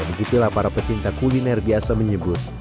begitulah para pecinta kuliner biasa menyebut